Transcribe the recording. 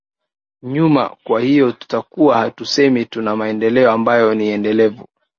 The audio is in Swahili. nyuma kwa hiyo tutakuwa hatusemi tuna maendeleo ambayo ni endelevu